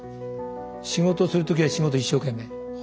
仕事するときは仕事一生懸命。